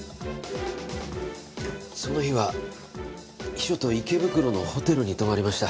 その日は秘書と池袋のホテルに泊まりました。